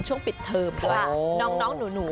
ช่วงปิดเทิมน้องหนู